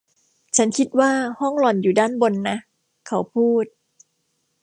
“ฉันคิดว่าห้องหล่อนอยู่ด้านบนนะ” เขาพูด